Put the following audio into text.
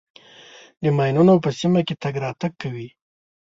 د ماینونو په سیمه کې تګ راتګ کوئ.